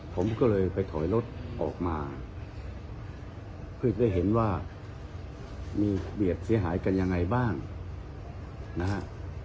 ผมก็เลยไปถอยรถออกมาเพื่อจะได้เห็นว่ามีเบียดเสียหายกันยังไงบ้างนะฮะ